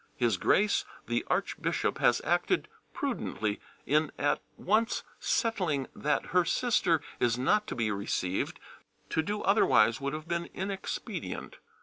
His grace the Archbishop has acted prudently in at once settling that her sister is not to be received, to do otherwise would have been inexpedient.